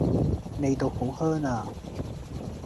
味道好香呀